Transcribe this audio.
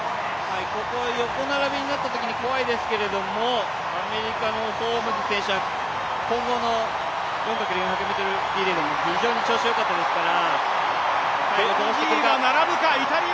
ここ横並びになったときに怖いですけれども、アメリカのホームズ選手は４×４００ｍリレーでも非常に調子よかったですから。